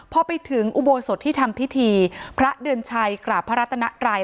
พอไปถึงอุโบสถที่ทำพิธีพระเดือนชัยกราบพระรัตนไร